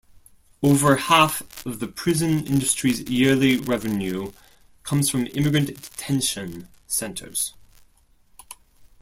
Over half of the prison industry's yearly revenue comes from immigrant detention centers.